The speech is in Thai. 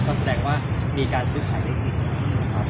ก็แสดงว่ามีการซื้อขายได้จริงครับ